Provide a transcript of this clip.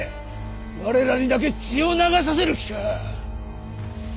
我らにだけ血を流させる気か！